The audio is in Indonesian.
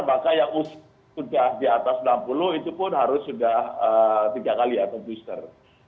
maka yang sudah di atas enam puluh itu pun harus sudah tiga kali atau booster